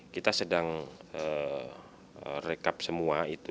kita sedang rekap semua itu